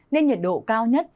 nên nhiệt độ cao nhất